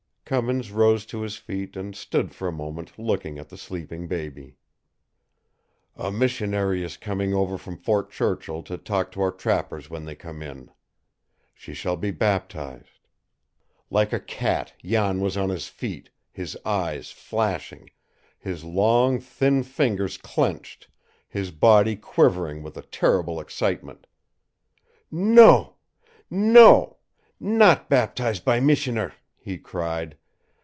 Cummins rose to his feet and stood for a moment looking at the sleeping baby. "A missionary is coming over from Fort Churchill to talk to our trappers when they come in. She shall be baptized!" Like a cat Jan was on his feet, his eyes flashing, his long, thin fingers clenched, his body quivering with a terrible excitement. "No no not baptize by missioner!" he cried.